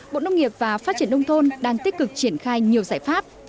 bộ nông nghiệp và phát triển nông thôn đang tích cực triển khai nhiều giải pháp